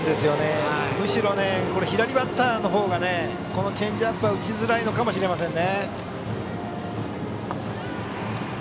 むしろ左バッターの方がこのチェンジアップは打ちづらいのかもしれません。